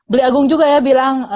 beli agung juga ya bilang